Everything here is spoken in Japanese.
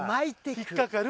引っかかる。